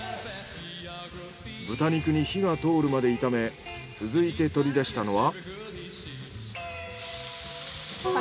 豚肉に火が通るまで炒め続いて取り出したのは。